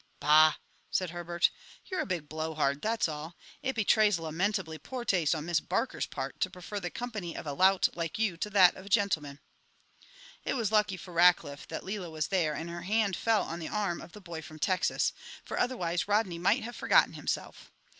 "Bah!" said Herbert. "You're a big blowhard, that's all. It betrays lamentably poor taste on Miss Barker's part to prefer the company of a lout like you to that of a gentleman." It was lucky for Rackliff that Lela was there and her hand fell on the arm of the boy from Texas, for otherwise Rodney might have forgotten himself.